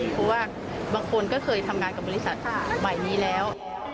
เพราะว่าบางคนก็เคยทำงานกับบริษัทใหม่นี้แล้ว